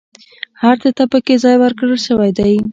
هر څه ته پکې ځای ورکول شوی دی.